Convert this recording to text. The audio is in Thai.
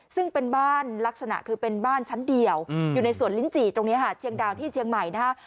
ซึ่งเป็นบ้านลักษณะคือเป็นบ้านชั้นเดียวอยู่ในสวนลิ้นจี่ตรงนี้ค่ะเชียงดาวที่เชียงใหม่นะฮะ